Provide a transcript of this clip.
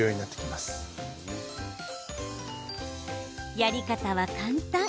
やり方は簡単。